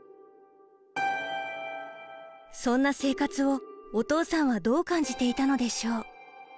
そんな生活をお父さんはどう感じていたのでしょう？